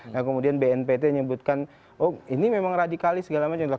nah kemudian bnpt nyebutkan oh ini memang radikalis segala macam